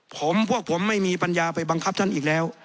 ผมพวกผมไม่มีปัญญาไปบังคับท่านอีกแล้ว